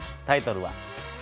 タイトルは？